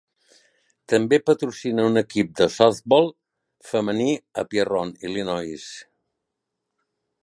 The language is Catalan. També patrocina un equip de softball femení a Pierron, Illinois.